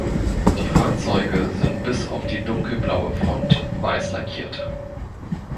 Die Fahrzeuge sind bis auf die dunkelblaue Front weiß lackiert.